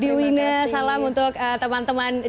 di wina salam untuk teman teman di sana